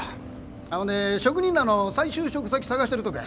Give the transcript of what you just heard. あっほんで職人らの再就職先探してるとこや。